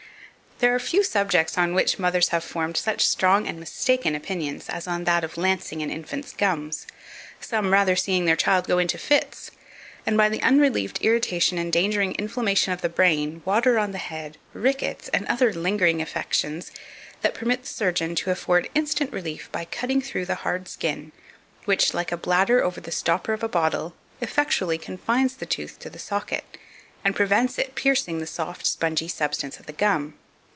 2516. There are few subjects on which mothers have often formed such strong and mistaken opinions as on that of lancing an infant's gums, some rather seeing their child go into fits and by the unrelieved irritation endangering inflammation of the brain, water on the head, rickets, and other lingering affections than permit the surgeon to afford instant relief by cutting through the hard skin, which, like a bladder over the stopper of a bottle, effectually confines the tooth to the socket, and prevents it piercing the soft, spongy substance of the gum.